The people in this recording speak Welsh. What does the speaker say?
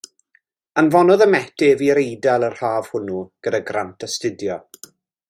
Anfonodd y Met ef i'r Eidal yr haf hwnnw gyda grant astudio.